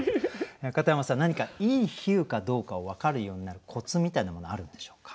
片山さん何かいい比喩かどうかを分かるようになるコツみたいなものあるんでしょうか？